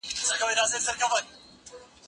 کېدای سي پاکوالي ګډ وي!؟